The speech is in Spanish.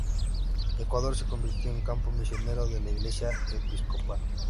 Ecuador se convirtió en campo misionero de la Iglesia episcopal.